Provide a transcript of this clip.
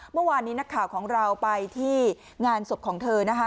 เมื่อวานนี้นักข่าวของเราไปที่งานศพของเธอนะคะ